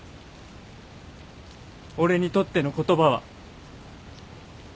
俺にとっての言葉は。